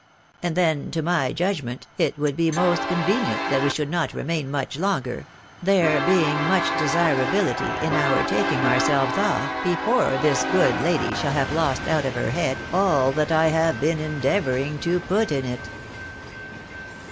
And then, to my judgment, it would be most convenient that we should not remain much longer — there being much desirability in our taking ourselves off before this good lady shall have lost out of her head all that I have been endeavouring to put in it."